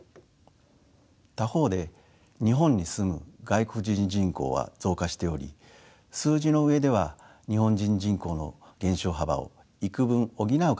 他方で日本に住む外国人人口は増加しており数字の上では日本人人口の減少幅を幾分補う形で推移しています。